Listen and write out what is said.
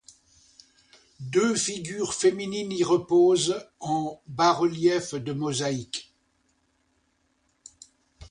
Deux figures féminines y reposent, en bas-relief de mosaïque.